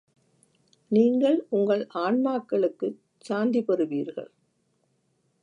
நீங்கள் உங்கள் ஆன்மாக்களுக்குச் சாந்தி பெறுவீர்கள்.